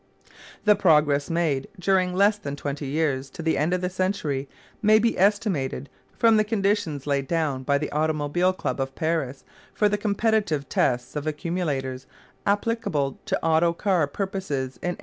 The progress made during less than twenty years to the end of the century may be estimated from the conditions laid down by the Automobile Club of Paris for the competitive test of accumulators applicable to auto car purposes in 1899.